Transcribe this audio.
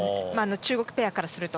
中国ペアからすると。